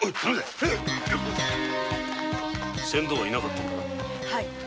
船頭はいなかったんだな？